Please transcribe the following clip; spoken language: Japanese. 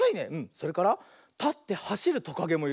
それからたってはしるトカゲもいるね。